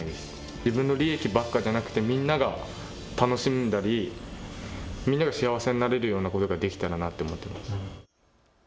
自分の利益ばかりだけではなくてみんなが楽しんだりみんなが幸せになれることができたらなと思っています。